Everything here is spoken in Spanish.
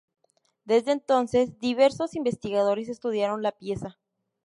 Desde entonces, diversos investigadores estudiaron la pieza.